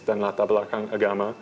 dan latar belakang agama